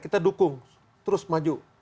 kita dukung terus maju